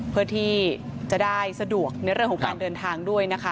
เพื่อที่จะได้สะดวกในเรื่องของการเดินทางด้วยนะคะ